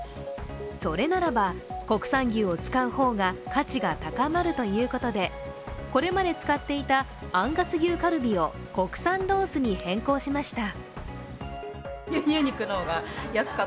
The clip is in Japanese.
それならば国産牛を使う方が価値が高まるということで、これまで使っていたアンガス牛カルビを国産ロースに変更しました。